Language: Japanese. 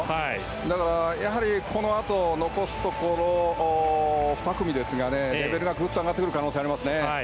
だからやはり、このあと残すところ２組ですがねレベルがぐっと上がってくる可能性がありますね。